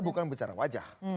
bukan bicara wajah